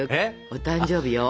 お誕生日よ？